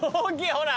ほら。